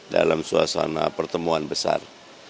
dalam suasana pertemuan besar